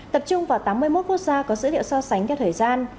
tập trung vào tám mươi một quốc gia có dữ liệu so sánh theo thời gian